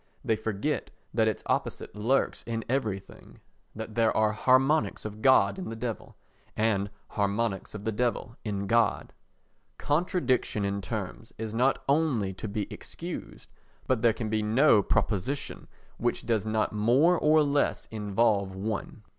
They forget that its opposite lurks in everything—that there are harmonics of God in the Devil and harmonics of the Devil in God. Contradiction in terms is not only to be excused but there can be no proposition which does not more or less involve one.